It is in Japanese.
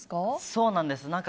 そうなんです。